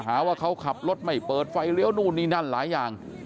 หาว่าเขาขับรถไม่เปิดไฟเลี้ยวนู่นนี่นั่นหลายอย่าง